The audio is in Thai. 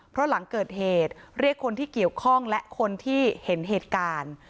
เพราะหลังเกิดเหตุเรียกคนที่เกี่ยวข้องและคนที่เห็นเหตุการณ์